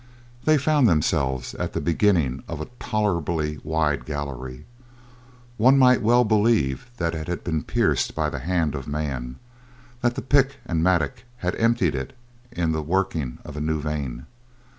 They found themselves at the beginning of a tolerably wide gallery. One might well believe that it had been pierced by the hand of man, that the pick and mattock had emptied it in the working of a new vein.